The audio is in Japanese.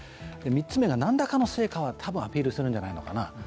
３つ目が、何らかの成果は多分アピールするんじゃないか。